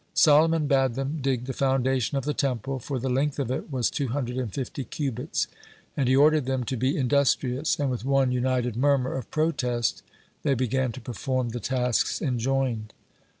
Solomon bade them dig the foundation of the temple, for the length of it was two hundred and fifty cubits. And he ordered them to be industrious, and with one united murmur of protest they began to perform the tasks enjoined.